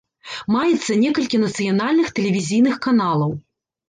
Маецца некалькі нацыянальных тэлевізійных каналаў.